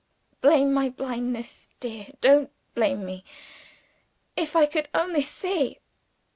"Blame my blindness, dear, don't blame me. If I could only see